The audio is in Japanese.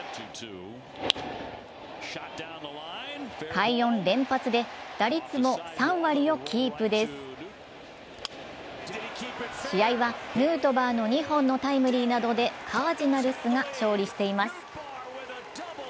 快音連発で打率も３割をキープです試合はヌートバーの２本のタイムリーなどでカージナルスが勝利しています。